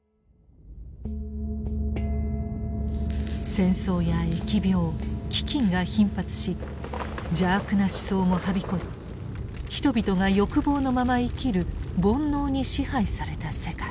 戦争や疫病飢饉が頻発し邪悪な思想もはびこり人々が欲望のまま生きる煩悩に支配された世界。